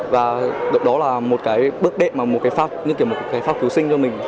và đó là một cái bước đệm và một cái pháp như kiểu một cái pháp cứu sinh cho mình